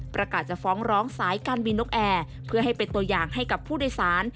จะฟ้องร้องสายการบินนกแอร์เพื่อให้เป็นตัวอย่างให้กับผู้โดยสาร